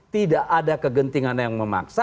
tidak ada kegentingan yang memaksa